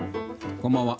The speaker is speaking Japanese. こんばんは。